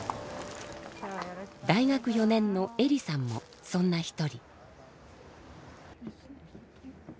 大学４年のえりさんもそんな一人。